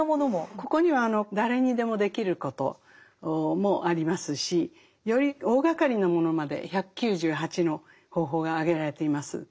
ここには誰にでもできることもありますしより大がかりなものまで１９８の方法が挙げられています。